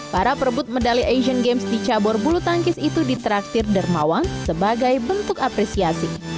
para perebut medali asian games di cabur bulu tangkis itu ditraktir dermawan sebagai bentuk apresiasi